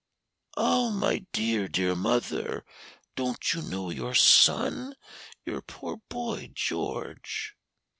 "Oh, my dear, dear mother! don't you know your son? your poor boy, George?"